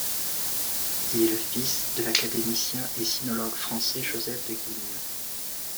Il est le fils de l'académicien et sinologue français Joseph de Guignes.